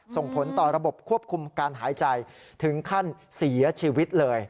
ส่งผลต่อระบบควบคุมการหายใจถึงขั้นเสียชีวิตเลย